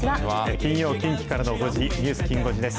金曜、近畿からの５時、ニュースきん５時です。